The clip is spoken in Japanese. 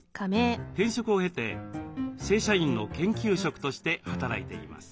転職を経て正社員の研究職として働いています。